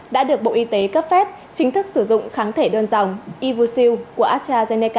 đã được bộ y tế cấp phép chính thức sử dụng kháng thể đơn dòng ivusiu của astrazeneca